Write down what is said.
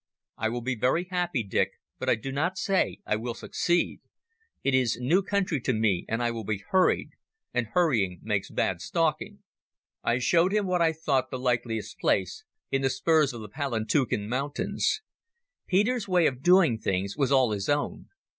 I will be very happy, Dick, but I do not say I will succeed. It is new country to me, and I will be hurried, and hurry makes bad stalking." I showed him what I thought the likeliest place—in the spurs of the Palantuken mountains. Peter's way of doing things was all his own.